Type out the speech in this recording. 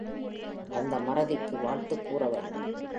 அந்த மறதி க்கு வாழ்த்துக் கூறவேண்டும்.